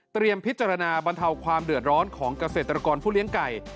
พิจารณาบรรเทาความเดือดร้อนของเกษตรกรผู้เลี้ยงไก่